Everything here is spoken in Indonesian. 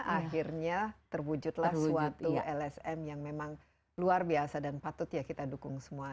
akhirnya terwujudlah suatu lsm yang memang luar biasa dan patut ya kita dukung semua